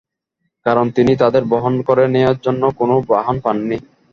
কারণ তিনি তাদের বহন করে নেয়ার জন্য কোন বাহন পাননি।